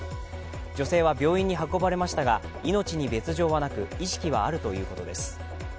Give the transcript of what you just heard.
女性は病院に運ばれましたが、命に別状はなく、意識はあるということです。